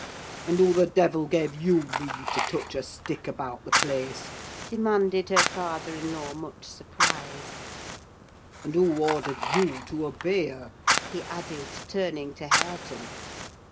"And who the devil gave you leave to touch a stick about the place?" demanded her father in law, much surprised. "And who ordered you to obey her?" he added, turning to Hareton.